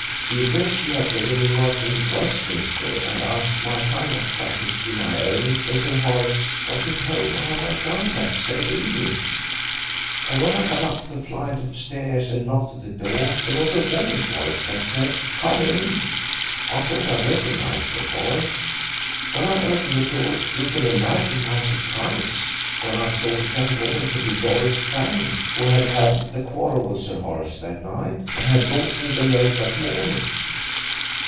The address she had given me was in Westminster, and, as my time was practically my own when Sir Horace wasn't home, I went down that same evening, and when I got up the flight of stairs and knocked at the door it was a woman's voice that said 'Come in,' I thought I recognised the voice. When I opened the door, you can imagine my surprise when I saw the young woman to be Doris Fanning, who had had the quarrel with Sir Horace that night and had brought me the note that morning.